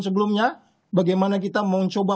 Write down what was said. sebelumnya bagaimana kita mencoba